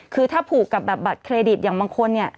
คือถ้าผูกกับแบบบัตรเครดิตอย่างบางคนเนี่ย